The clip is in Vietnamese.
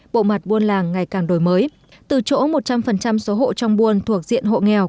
bộ mặt buôn làng ngày càng đổi mới từ chỗ một trăm linh số hộ trong buôn thuộc diện hộ nghèo